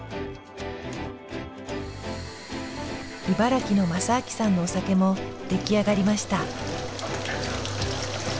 茨城の昌明さんのお酒も出来上がりました。